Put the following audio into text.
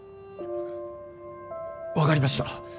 わかりました。